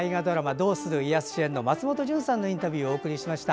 「どうする家康」主演の松本潤さんのインタビューをお送りしました。